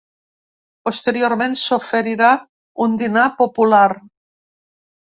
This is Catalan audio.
Posteriorment, s’oferirà un dinar popular.